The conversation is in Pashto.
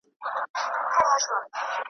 د یوه لوی جشن صحنه جوړه سوې وه .